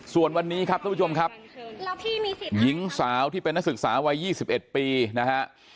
ส่วนวันนี้ครับท่านผู้ชมครับหญิงสาวที่เป็นนักศึกษาวัย๒๑ปีนะฮะ